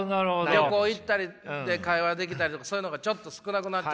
旅行行ったりで会話できたりとかそういうのがちょっと少なくなっちゃった？